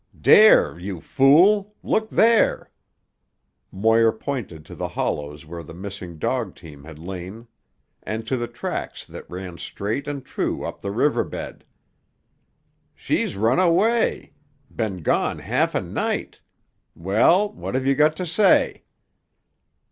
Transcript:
"Dare, you fool? Look there." Moir pointed to the hollows where the missing dog team had lain and to the tracks that ran straight and true up the river bed. "She's run away. Been gone half a night. Well, what have you got to say?"